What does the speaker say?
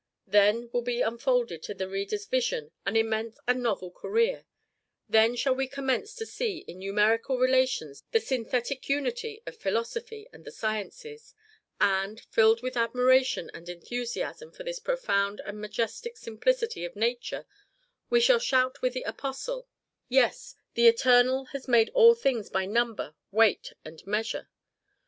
Then will be unfolded to the reader's vision an immense and novel career; then shall we commence to see in numerical relations the synthetic unity of philosophy and the sciences; and, filled with admiration and enthusiasm for this profound and majestic simplicity of Nature, we shall shout with the apostle: "Yes, the Eternal has made all things by number, weight, and measure!"